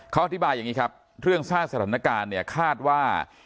เขาอธิบายอย่างนี้ครับเรื่องสร้างสถานการณ์เนี่ยคาดว่า